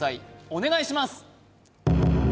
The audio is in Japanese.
お願いします